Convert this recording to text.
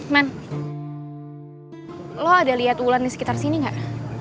man lo ada liat ulan disekitar sini gak